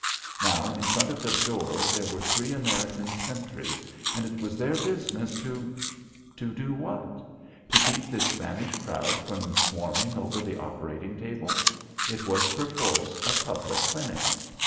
Now, in front of the door, there were three American sentries, and it was their business to to do what? To keep this Spanish crowd from swarming over the operating table! It was perforce a public clinic.